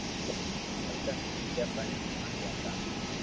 پسي امي ٻيجا پاھي گوموا گيا تا